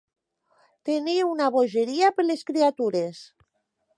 Tenir una bogeria per les criatures.